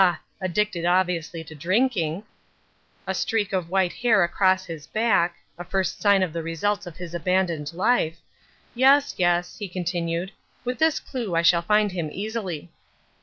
addicted obviously to drinking), a streak of white hair across his back (a first sign of the results of his abandoned life)—yes, yes," he continued, "with this clue I shall find him easily."